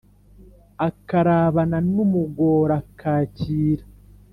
akarabana n úmugor ákaakiira